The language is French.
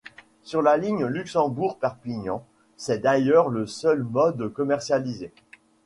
Sur la ligne Luxembourg-Perpignan c'est d'ailleurs le seul mode commercialisé.